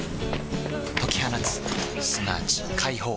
解き放つすなわち解放